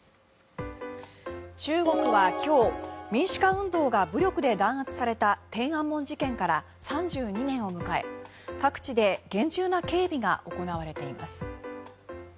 中国は今日民主化運動が武力で弾圧された天安門事件から３２年を迎え各地で厳重な警備が行われています。